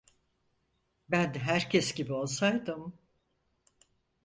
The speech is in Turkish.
Ben herkes gibi olsaydım…